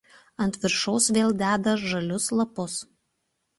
Ant viršaus vėl deda žalius lapus.